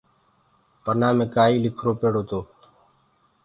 پنآ مي ڪآئيٚ لکرو پيڙو تو۔